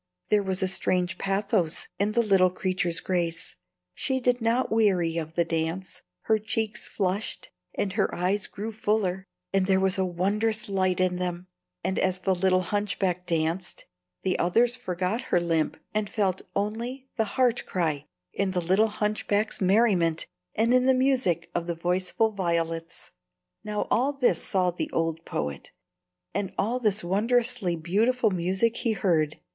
There was a strange pathos in the little creature's grace; she did not weary of the dance: her cheeks flushed, and her eyes grew fuller, and there was a wondrous light in them. And as the little hunchback danced, the others forgot her limp and felt only the heart cry in the little hunchback's merriment and in the music of the voiceful violets. [Illustration: Musical notation] Now all this saw the old poet, and all this wondrously beautiful music he heard.